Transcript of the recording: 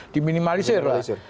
di minimalisir lah